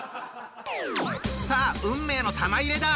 さあ運命の玉入れだ。